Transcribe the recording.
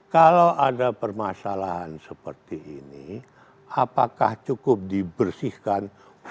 kalau ada permasalahan seperti ini apakah cukup dibersihkan